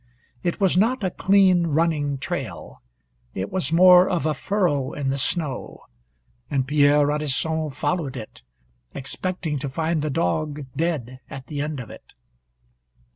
It was not a clean running trail. It was more of a furrow in the snow, and Pierre Radisson followed it, expecting to find the dog dead at the end of it.